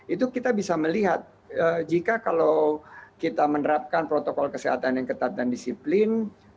itu kita bisa melihat jika kalau kita menerapkan protokol kesehatan yang ketat dan disiplin